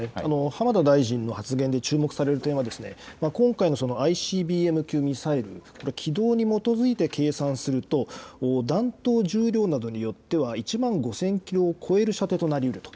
浜田大臣の発言で注目される点は、今回のＩＣＢＭ級ミサイル、軌道に基づいて計算すると、弾頭重量などによっては１万５０００キロを超える射程となりうると。